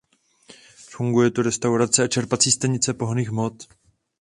Funguje tu restaurace a čerpací stanice pohonných hmot.